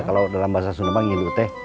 kalau dalam bahasa sunaba ngilute